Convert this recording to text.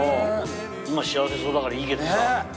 今幸せそうだからいいけどさ。